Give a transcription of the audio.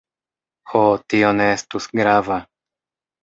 Ho, tio ne estus grava!